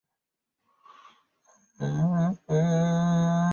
虚拟过山车直至太古站新出口建成连接商场地下才搬走。